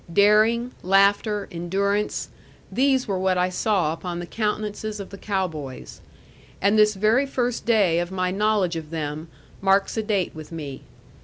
Daring, laughter, endurance these were what I saw upon the countenances of the cow boys. And this very first day of my knowledge of them marks a date with me.